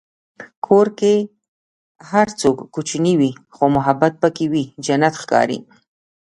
کور که هر څومره کوچنی وي، که محبت پکې وي، جنت ښکاري.